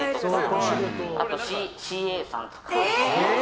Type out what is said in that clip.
あとＣＡさんとか。